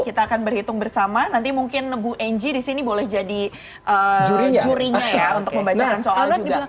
kita akan berhitung bersama nanti mungkin bu engi di sini boleh jadi jurinya ya untuk membacakan soal juga